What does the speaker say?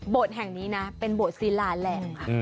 โบสถ์แห่งนี้นะเป็นโบสถ์ซีลาแรง